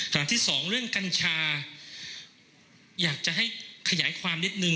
อันที่สองเรื่องกัญชาอยากจะให้ขยายความนิดนึง